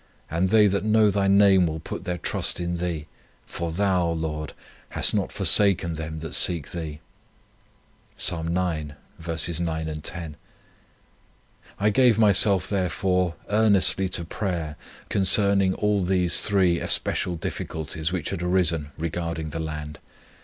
And they that know Thy name will put their trust in Thee: for Thou, Lord, hast not forsaken them that seek Thee." (Psalm ix. 9, 10). I gave myself, therefore, earnestly to prayer concerning all these three especial difficulties which had arisen regarding the land.